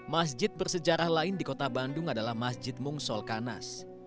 masjid bersejarah lain di kota bandung adalah masjid mungsolkanas